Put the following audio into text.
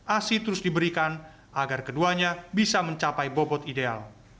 asi terus diberikan agar keduanya bisa mencapai bobot ideal